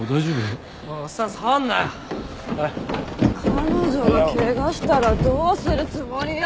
彼女がケガしたらどうするつもりよ！